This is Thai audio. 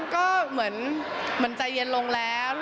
ก็มันใจเย็นลงแล้ว